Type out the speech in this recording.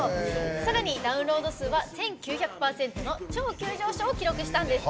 さらにダウンロード数は１９００％の超急上昇を記録したんです。